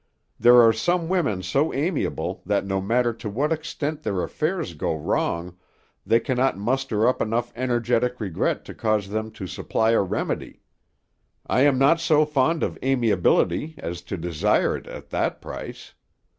There are some women so amiable that no matter to what extent their affairs go wrong, they cannot muster up enough energetic regret to cause them to supply a remedy. I am not so fond of amiability as to desire it at that price.